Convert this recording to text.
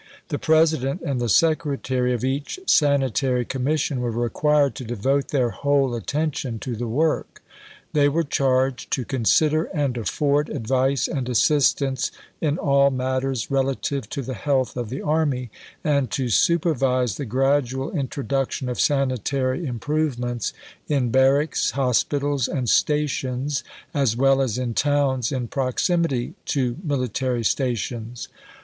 The President and the Secretary of each Sanitary Commission were required to devote their whole attention to the work. They were charged to "consider and afford advice and assistance in all matters relative to the health of the Army, and to supervise the gradual introduction of sanitary improvements in Barracks, Hospitals, and Stations, as well as in Towns in proximity to Military Stations."